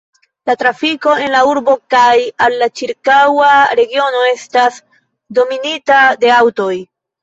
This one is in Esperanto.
La trafiko en la urbo kaj al la ĉirkaŭa regiono estas dominita de aŭtoj.